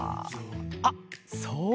あっそうだ！